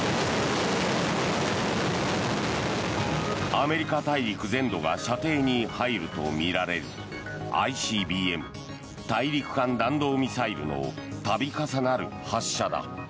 アメリカ大陸全土が射程に入るとみられるＩＣＢＭ・大陸間弾道ミサイルの度重なる発射だ。